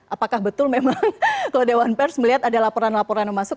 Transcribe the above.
apakah betul memang kalau dewan pers melihat ada laporan laporan yang masuk